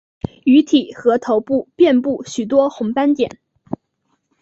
鱼体和头部遍布许多红斑点。